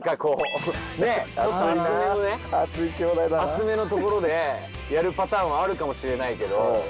熱めのところでやるパターンはあるかもしれないけど。